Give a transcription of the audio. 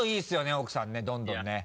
奥さんねどんどんね。